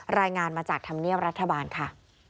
รายงานมาจากธรรมเนียบรัฐบาลค่ะ